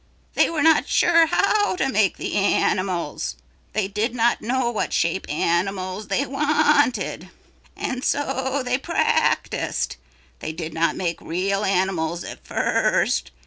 They were not sure how to make the animals. They did not know what shape animals they wanted. "And so they practised. They did not make real animals at first.